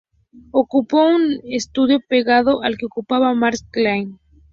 Ocupó un estudio pegado al que ocupaba Marc Chagall.